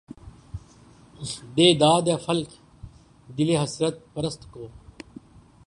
دے داد اے فلک! دلِ حسرت پرست کو